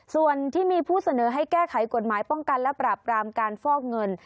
ส่วนที่มีผู้เสนอให้แก้ไขกฎหมายป้องกันและปราบรามการฟอกเงิน